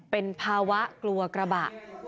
เป็นภาวะกลัวกระบะ